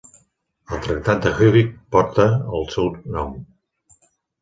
El tractat de Hewett porta el seu nom.